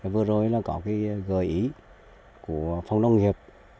vừa rồi có gợi ý của phòng đồng nghiệp